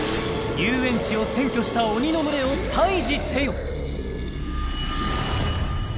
遊園地を占拠した鬼の群れをタイジせよ！